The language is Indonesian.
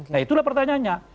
nah itulah pertanyaannya